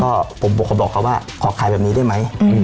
ก็ผมบอกเขาบอกเขาว่าขอขายแบบนี้ได้ไหม